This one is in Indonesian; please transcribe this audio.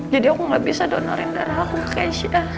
jadi aku gak bisa donerin darah aku ke keisha